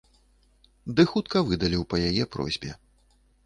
Ды хутка выдаліў па яе просьбе.